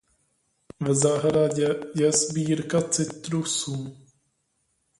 V zahradě je sbírka citrusů.